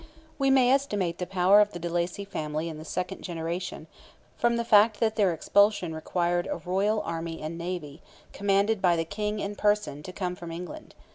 We may estimate the power of the de Lacy family in the second generation, from the fact that their expulsion required a royal army and navy, commanded by the King in person, to come from England.